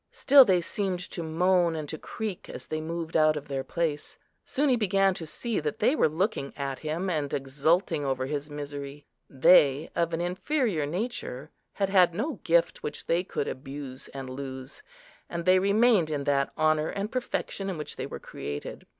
Still they seemed to moan and to creak as they moved out of their place. Soon he began to see that they were looking at him, and exulting over his misery. They, of an inferior nature, had had no gift which they could abuse and lose; and they remained in that honour and perfection in which they were created.